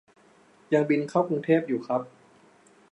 ยังบินเข้ากรุงเทพอยู่ครับ